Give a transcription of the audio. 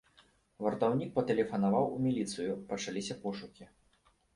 Вартаўнік патэлефанаваў у міліцыю, пачаліся пошукі.